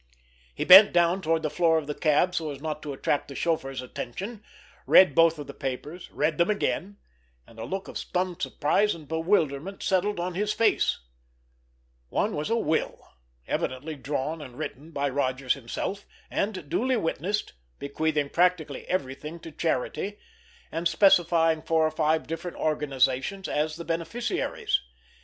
He bent well down toward the floor of the cab so as not to attract the chauffeur's attention, read both of the papers, read them again—and a look of stunned surprise and bewilderment settled on his face. One was a will, evidently drawn and written by Rodgers himself, and duly witnessed, bequeathing practically everything to charity, and specifying four or five different organizations as the beneficiaries.